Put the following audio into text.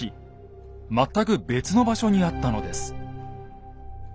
全く別の場所にあったのです。